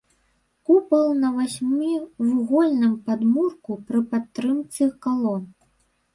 Купал на васьмівугольным падмурку пры падтрымцы калон.